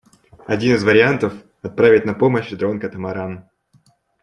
Один из вариантов — отправить на помощь дрон-катамаран.